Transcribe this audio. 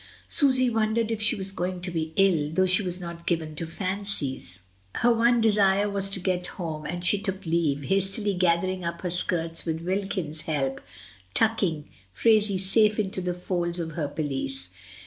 Susy wondered if she was going to be ill, though she was not given to fancies; her one desire was to get home, and she took leave, hastily gathering up her skirts with Wilkins's help, tucking Phraisie safe into the folds of her pelisse.